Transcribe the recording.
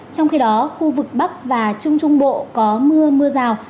trong khi đó khu vực bắc và trung trung bộ có mưa mưa rào